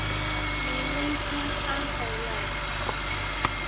你呢張啱比例